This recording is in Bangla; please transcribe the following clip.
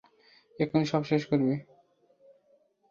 এক্ষুনি সব শেষ করবে।